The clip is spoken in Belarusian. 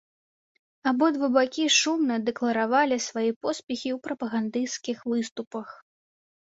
Абодва бакі шумна дэкларавалі свае поспехі ў прапагандысцкіх выступах.